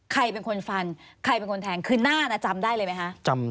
ใครเป็นคนฟันใครเป็นคนแทงคือหน้านะจำได้เลยไหมคะ